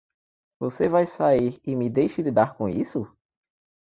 Você vai sair e me deixe lidar com isso?